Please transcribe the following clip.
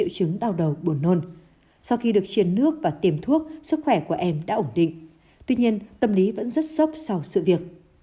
sau khi được chiên nước và tiềm thuốc sức khỏe của em đã ổn định tuy nhiên tâm lý vẫn rất sốc sau sự việc